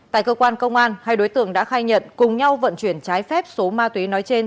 tại cơ quan công an hai đối tượng đã khai nhận cùng nhau vận chuyển trái phép số ma túy nói trên